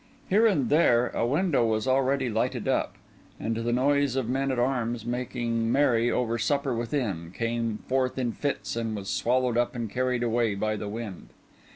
Here and there a window was already lighted up; and the noise of men at arms making merry over supper within, came forth in fits and was swallowed up and carried away by the wind.